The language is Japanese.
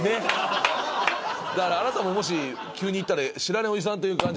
だからあなたももし急に行ったら知らないオジさんという感じですよ。